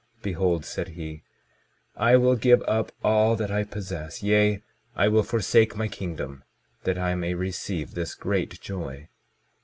Behold, said he, I will give up all that I possess, yea, I will forsake my kingdom, that I may receive this great joy.